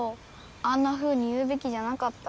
あんなふうに言うべきじゃなかった。